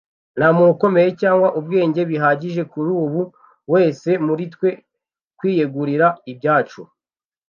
nta muntu ukomeye cyangwa ubwenge bihagije kuri buri wese muri twe kwiyegurira ibyacu